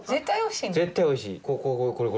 絶対おいしいの？